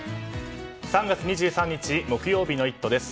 ３月２３日木曜日の「イット！」です。